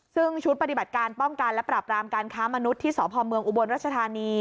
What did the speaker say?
ซึ่งชุดปฏิบัติการป้องกันและปราบรามการค้ามนุษย์ที่สพเมืองอุบลรัชธานี